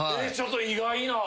ちょっと意外な！